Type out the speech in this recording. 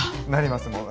なります。